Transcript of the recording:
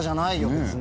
別に。